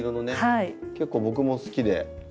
結構僕も好きで。